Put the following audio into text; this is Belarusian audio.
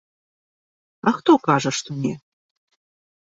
А хто кажа, што не.